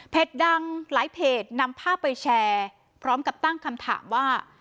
ดังหลายเพจนำภาพไปแชร์พร้อมกับตั้งคำถามว่า